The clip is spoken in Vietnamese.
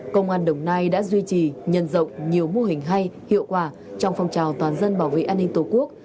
công an đồng nai đã duy trì nhân rộng nhiều mô hình hay hiệu quả trong phong trào toàn dân bảo vệ an ninh tổ quốc